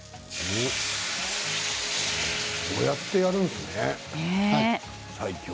こうやって、やるんですね西京